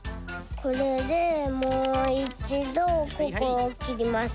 これでもういちどここをきります。